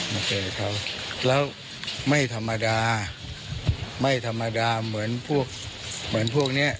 มาเจอเขาแล้วไม่ธรรมดาไม่ธรรมดาเหมือนพวกเหมือนพวกเนี้ย